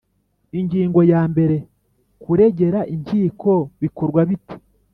Ingingo ya mbere Kuregera inkiko bikorwabite